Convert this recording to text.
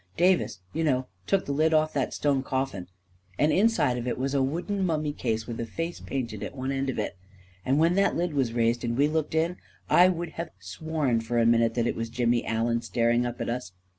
Davis, you know, took the lid off that stone coffin, and inside of it was a wooden mummy case, with a face painted at one end of it; and when that lid was raised, and we looked in, I would have sworn for a minute that it was Jimmy Allen staring up at us.